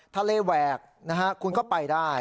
ทะเลแหวกคุณก็ไปได้